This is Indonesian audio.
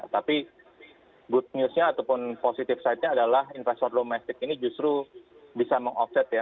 tapi good news nya ataupun positive side nya adalah investor domestik ini justru bisa meng offset ya